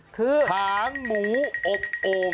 ขางหมูอบโอ่ง